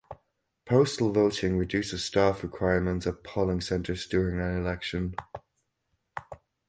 Postal voting reduces staff requirements at polling centers during an election.